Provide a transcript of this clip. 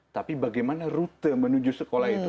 tapi bagaimana rute menuju sekolah itu